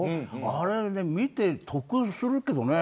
あれ、見て得するけどね。